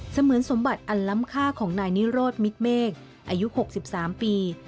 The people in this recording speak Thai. เหมือนสมบัติอันล้ำค่าของนายนิโรธมิตเมฆอายุ๖๓ปี